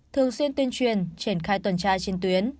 thường xuyên tuyên truyền triển khai tuần tra trên tuyến